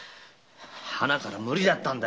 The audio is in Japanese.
ハナから無理だったんだよ。